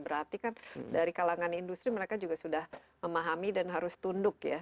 berarti kan dari kalangan industri mereka juga sudah memahami dan harus tunduk ya